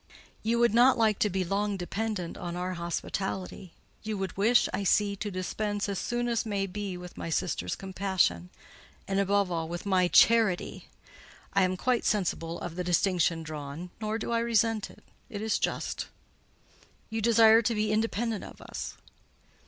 "You would not like to be long dependent on our hospitality—you would wish, I see, to dispense as soon as may be with my sisters' compassion, and, above all, with my charity (I am quite sensible of the distinction drawn, nor do I resent it—it is just): you desire to be independent of us?"